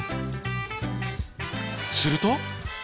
すると。